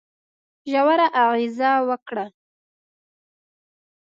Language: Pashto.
ژوره اغېزه وکړه.